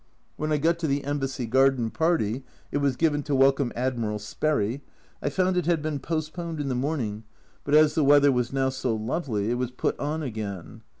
When I got to the Embassy garden party (it was given to welcome Admiral Sperry) I found it had been postponed in the morning, but as the weather was now so lovely, it was put on again.